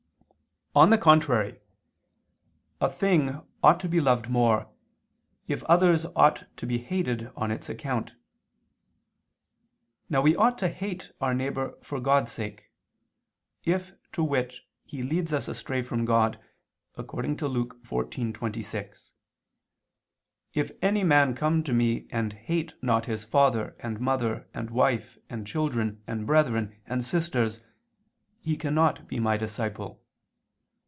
On the contrary, A thing ought to be loved more, if others ought to be hated on its account. Now we ought to hate our neighbor for God's sake, if, to wit, he leads us astray from God, according to Luke 14:26: "If any man come to Me and hate not his father, and mother, and wife, end children, and brethren, and sisters ... he cannot be My disciple."